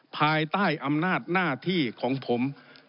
ภายใต้อำนาจหน้าที่ของผม